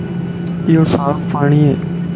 ايو صاف پاڻي ائي